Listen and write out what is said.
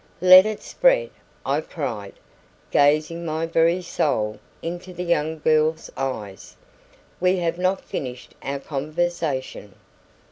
"Let it spread!" I cried, gazing my very soul into the young girl's eyes. "We have not finished our conversation.